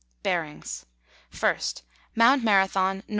Bearings. 1st. Mount Marathon, N.W.